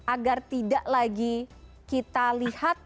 agar tidak lagi kita lihat